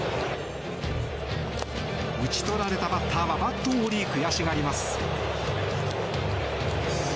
打ち取られたバッターはバットを折り、悔しがります。